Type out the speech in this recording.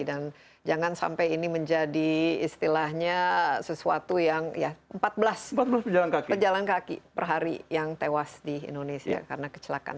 dan jangan sampai ini menjadi istilahnya sesuatu yang empat belas pejalan kaki per hari yang tewas di indonesia karena kecelakaan